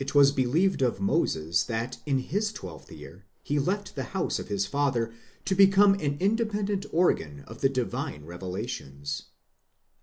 197 'was believed of Moses that in his twelfth year he left the house of his father, to become an independent organ of the divine revelations.